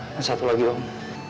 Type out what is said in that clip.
dan satu lagi om